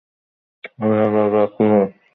অপারেশনের পরে প্র্যাকটিসের অনেক সময় পেয়েছি।